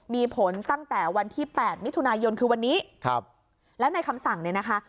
มีผลตั้งแต่วันที่แปดมิถุนายนคือวันนี้ครับแล้วในคำสั่งเนี่ยนะคะ